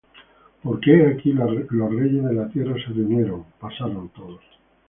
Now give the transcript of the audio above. Porque he aquí los reyes de la tierra se reunieron; Pasaron todos.